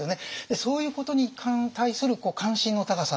そういうことに対する関心の高さ。